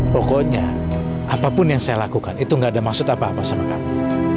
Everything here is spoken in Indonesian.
pokoknya apapun yang saya lakukan itu gak ada maksud apa apa sama kami